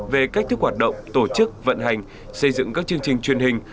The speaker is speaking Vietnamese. về cách thức hoạt động tổ chức vận hành xây dựng các chương trình truyền hình